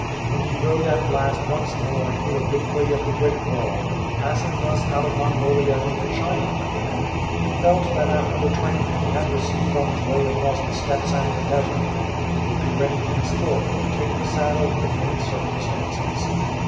When he rode at last once more through a gateway of the Great Wall, passing thus out of Mongolia into China again, he felt that after the training he had received on his way across the steppes and the desert, he would be ready henceforth to take to the saddle in any circumstances.